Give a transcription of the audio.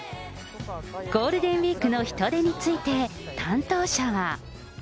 ゴールデンウィークの人出について、担当者は。